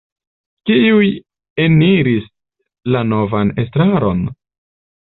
Kiuj eniris la novan estraron?